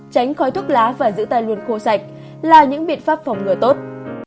tránh khói thuốc lá và giữ tay luôn khô sạch là những biện pháp phòng ngừa tốt